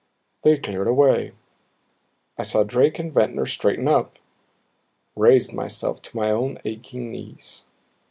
They cleared away. I saw Drake and Ventnor straighten up; raised myself to my own aching knees.